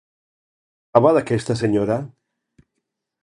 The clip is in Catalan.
Pots fer la prova d'aquesta senyora?